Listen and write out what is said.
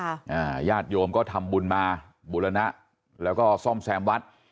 อ่าญาติโยมก็ทำบุญมาบุรณะแล้วก็ซ่อมแซมวัด